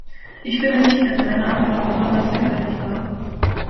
Ich finde nicht, dass meine Antwort besonders zögerlich war.